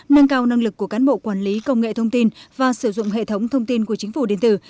nâng cao năng lực của cán bộ quản lý công nghệ thông tin và sử dụng hệ thống thông tin của chính phủ điện tử